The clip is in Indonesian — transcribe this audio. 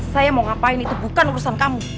saya mau ngapain itu bukan urusan kamu